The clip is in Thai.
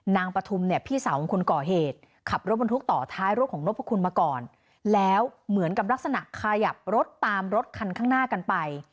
ปฐุมเนี่ยพี่สาวของคนก่อเหตุขับรถบรรทุกต่อท้ายรถของนพคุณมาก่อนแล้วเหมือนกับลักษณะขยับรถตามรถคันข้างหน้ากันไป